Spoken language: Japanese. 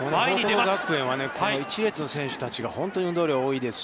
報徳学園は一列の選手たちが本当に運動量が多いですし。